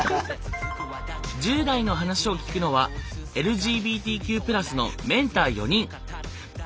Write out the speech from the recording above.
１０代の話を聞くのはＬＧＢＴＱ＋のメンター４人。